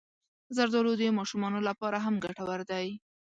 زردالو د ماشومانو لپاره هم ګټور دی.